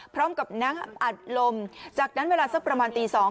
พร้อมกับนั่งอัดลมจากนั้นเวลาสักประมาณตีสอง